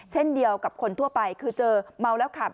เช่นเดียวกับคนทั่วไปคือเจอเมาแล้วขับ